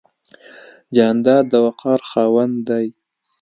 جانداد د وقار خاوند دی.